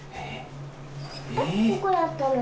ここだったのに？